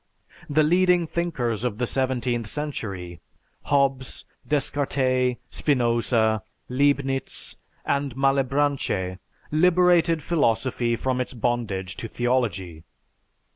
The leading thinkers of the seventeenth century, Hobbes, Descartes, Spinoza, Leibnitz, and Malebranche, liberated philosophy from its bondage to theology.